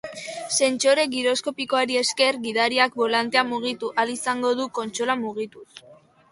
Sentsore giroskopikoari esker gidariak bolantea mugitu ahal izango du kontsola mugituz.